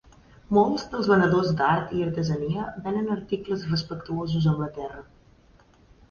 Molts dels venedors d'art i artesania venen articles respectuosos amb la Terra.